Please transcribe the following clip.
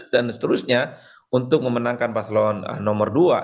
dan seterusnya untuk memenangkan paslon nomor dua